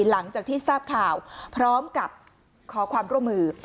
หลังจากที่ทราบข่าวพร้อมกับขอความร่วมมือ